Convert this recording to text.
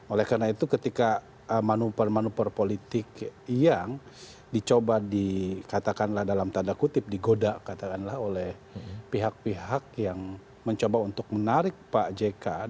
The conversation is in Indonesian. oleh karena itu ketika manuver manuver politik yang dicoba dikatakanlah dalam tanda kutip digoda katakanlah oleh pihak pihak yang mencoba untuk menarik pak jk